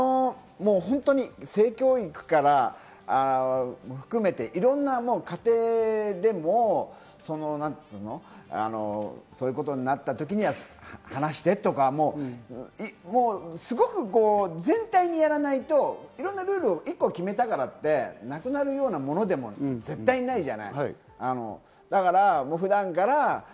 性教育から含めて、いろんな家庭でも、そういうことになった時には話してとか、すごく全体にやらないといろんなルールを一個決めたからって、なくなるようなものでもないじゃない。